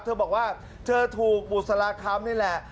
เธอบอกว่าเธอถูกบุษราคำนี่แหละ